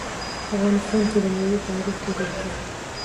په افغانستان کې د مېوې تاریخ اوږد دی.